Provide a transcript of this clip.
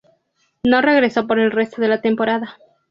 No regresó por el resto de la temporada.